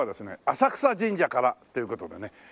浅草神社からという事でね。